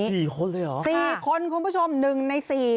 กี่คนเลยเหรอสี่คนคุณผู้ชมหนึ่งในสี่